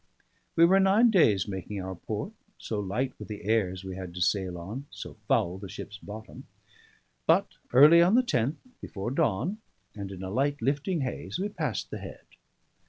We were nine days making our port, so light were the airs we had to sail on, so foul the ship's bottom; but early on the tenth, before dawn, and in a light lifting haze, we passed the head.